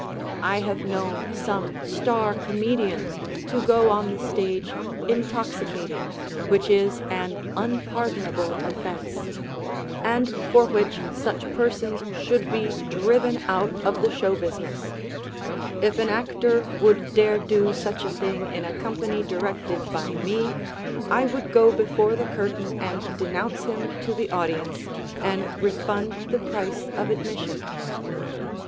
I have known some star comedians to go on the stage intoxicated, which is an unpardonable offense, and for which such persons should be driven out of the show business. If an actor would dare do such a thing in a company directed by me, I would go before the curtain and denounce him to the audience and refund the price of admission.